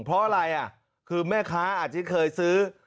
เพราะอะไรอ่ะคือแม่ค้าอาจจะเคยซื้อ